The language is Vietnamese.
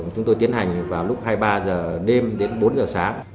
chúng tôi tiến hành vào lúc hai mươi ba h đêm đến bốn h sáng